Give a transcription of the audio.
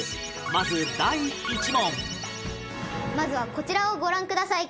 まず第一問まずは、こちらをご覧ください。